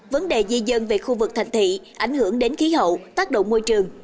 vấn đề di dân về khu vực thành thị ảnh hưởng đến khí hậu tác động môi trường